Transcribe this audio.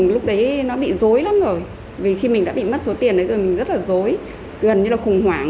lúc đấy nó bị dối lắm rồi vì khi mình đã bị mất số tiền đấy rồi mình rất là dối gần như là khủng hoảng